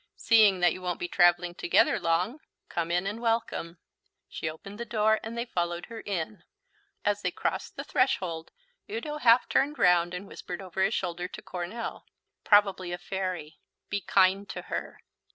"Seeing that you won't be travelling together long, come in and welcome." She opened the door and they followed her in. As they crossed the threshold, Udo half turned round and whispered over his shoulder to Coronel, "Probably a fairy. Be kind to her."